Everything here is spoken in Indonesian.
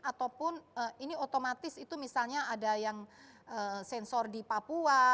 ataupun ini otomatis itu misalnya ada yang sensor di papua